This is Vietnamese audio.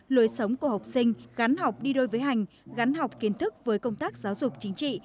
lối sống của học sinh gắn học đi đôi với hành gắn học kiến thức với công tác giáo dục chính trị